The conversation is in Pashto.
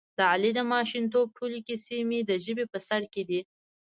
د علي د ماشومتوب ټولې کیسې مې د ژبې په سر کې دي.